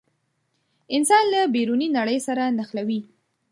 انسان له بیروني نړۍ سره نښلوي.